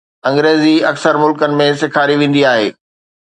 انگريزي اڪثر ملڪن ۾ سيکاري ويندي آهي.